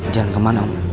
jalan kemana om